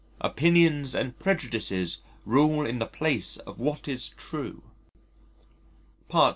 Opinions and prejudices rule in the place of what is true...." Part II.